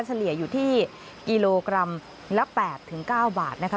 เฉลี่ยอยู่ที่กิโลกรัมละ๘๙บาทนะคะ